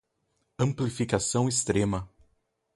Amplificação extrema